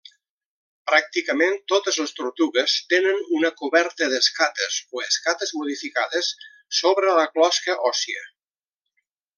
Pràcticament totes les tortugues tenen una coberta d'escates, o escates modificades, sobre la closca òssia.